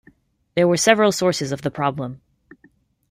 There were several sources of the problem.